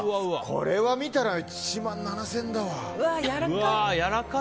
これは１万７０００円だわ。